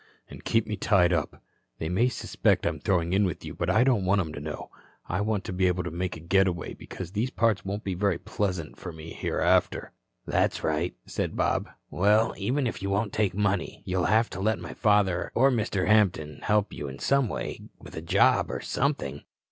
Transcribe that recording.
"And keep me tied up. They may suspect I'm throwing in with you, but I don't want 'em to know. I want to be able to make a getaway, because these parts won't be very pleasant for me hereafter." "That's right," said Bob. "Well, even if you won't take money, you'll have to let my father or Mr. Hampton help you in some way, with a job or something."